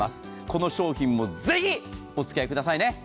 この商品もぜひお付き合いくださいね。